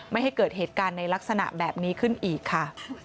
ไม่ให้เกิดเหตุการณ์ในลักษณะแบบนี้ขึ้นอีกค่ะ